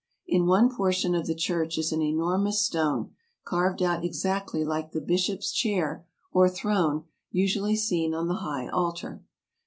In one portion of the church is an enormous stone, carved out exactly like the bishop's chair, or throne, usually seen on the high altar.